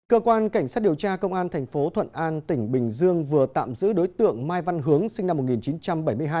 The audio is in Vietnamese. cơ quan cảnh sát điều tra công an thành phố thuận an tỉnh bình dương vừa tạm giữ đối tượng mai văn hướng sinh năm một nghìn chín trăm bảy mươi hai